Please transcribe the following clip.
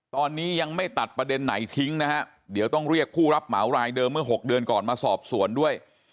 ตอนนี้ยังไม่ตัดประเด็นไหนทิ้งนะฮะเดี๋ยวต้องเรียกผู้รับเหมารายเดิมเมื่อ๖เดือนก่อนมาสอบสวนด้วย